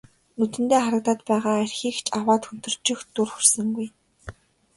Нүдэндээ харагдаад байгаа архийг ч аваад хөнтөрчих дур хүрсэнгүй.